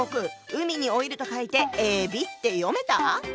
海に老いると書いてえびって読めた？